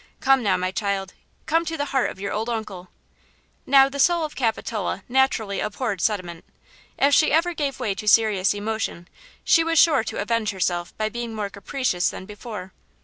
Come, now my child; come to the heart of your old uncle." Now, the soul of Capitola naturally abhorred sentiment. If ever she gave way to serious emotion, she was sure to avenge herself by being more capricious than before.